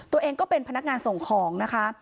ตัวเองก็เป็นพนักงานส่งของนะคะ